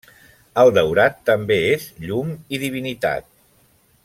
El daurat també és llum i divinitat.